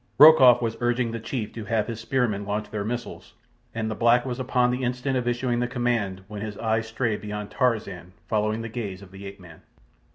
Rokoff was urging the chief to have his spearmen launch their missiles, and the black was upon the instant of issuing the command, when his eyes strayed beyond Tarzan, following the gaze of the ape man.